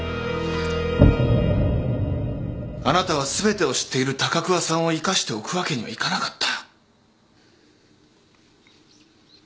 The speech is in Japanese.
あなたは全てを知っている高桑さんを生かしておくわけにはいかなかった。